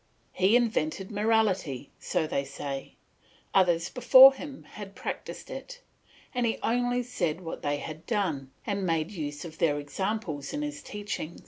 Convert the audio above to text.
He invented morality, so they say; others before him had practised it; he only said what they had done, and made use of their example in his teaching.